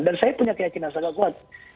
dan saya punya keyakinan sangat kuat